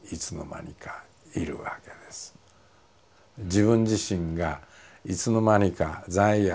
自分自身がいつの間にか罪悪